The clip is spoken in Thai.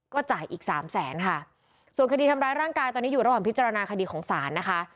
ก็จ่ายอีกสามแสนค่ะส่วนคดีทำร้ายร่างกายตอนนี้อยู่ระหว่างพิจารณาคดีของศาลนะคะ